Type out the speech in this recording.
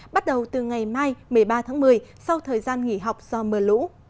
bắt đầu từ ngày mai một mươi ba tháng một mươi sau thời gian nghỉ học do mưa lũ